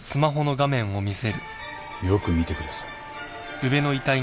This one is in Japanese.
よく見てください。